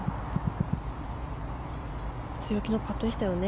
強気のパットでしたね